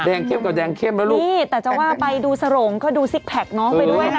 เข้มกับแดงเข้มแล้วลูกนี่แต่จะว่าไปดูสโรงก็ดูซิกแพคน้องไปด้วยนะ